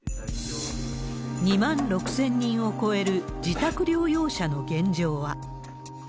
２万６０００人を超える自宅療養者の現状は。